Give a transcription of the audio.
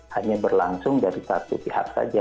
hanya berlangsung dari satu pihak saja